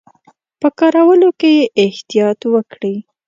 په کارولو کې یې احتیاط وکړي.